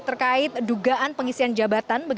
terkait dugaan pengisian jabatan